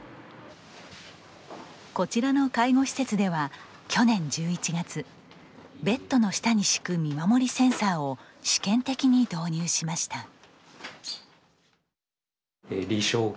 こちらの介護施設では去年１１月ベッドの下に敷く見守りセンサーを試験的に導入しました。